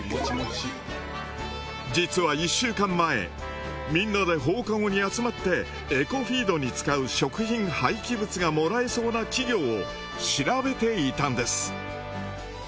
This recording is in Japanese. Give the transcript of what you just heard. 実は１週間前みんなで放課後に集まってエコフィードに使う食品廃棄物がもらえそうな企業を調べていたんです。